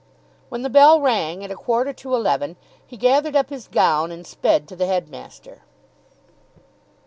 When the bell rang at a quarter to eleven, he gathered up his gown, and sped to the headmaster.